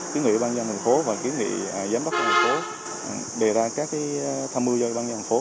kiến nghị ủy ban nhà thành phố và kiến nghị giám đốc mạng thành phố đề ra các tham mưu do ủy ban nhà thành phố